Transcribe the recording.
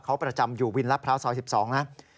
เขาประจำอยู่วินรัฐพร้าวซอย๑๒นะ